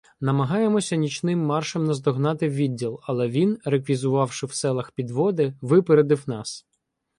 Намагаємося нічним маршем наздогнати відділ, але він, реквізувавши в селах підводи, випередив нас.